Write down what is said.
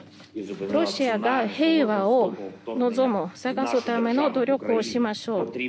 ロシアが平和を望む探すための努力をしましょう。